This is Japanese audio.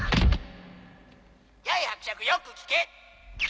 やい伯爵よく聞け！